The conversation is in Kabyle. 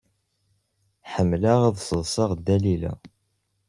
Ḥemmleɣ ad d-sseḍseɣ Dalila.